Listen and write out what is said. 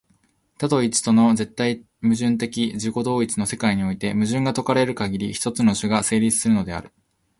多と一との絶対矛盾的自己同一の世界において、矛盾が解かれるかぎり、一つの種が成立するのである。